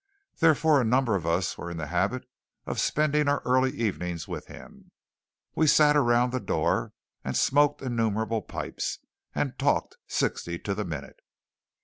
Therefore a number of us were in the habit of spending our early evenings with him. We sat around the door, and smoked innumerable pipes, and talked sixty to the minute.